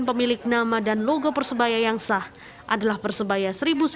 pemilik nama dan logo persebaya yang sah adalah persebaya seribu sembilan ratus sembilan puluh